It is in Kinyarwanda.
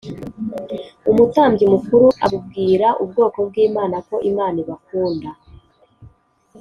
Umutambyi mukuru avbwira ubwoko bw’imana ko imana ibakunda